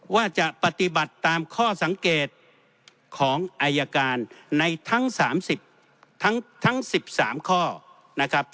ว่าจะปฏิบัติตามข้อสังเกตของอายการในทั้ง๑๓ข้อ